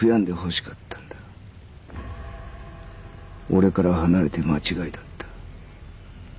俺から離れて間違いだった。